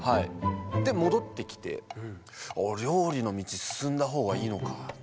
戻ってきて「料理の道進んだほうがいいのか」。